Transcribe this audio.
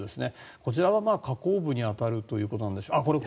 こちらは河口部に当たるということでしょうか。